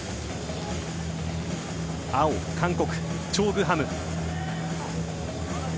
青、韓国、チョ・グハム。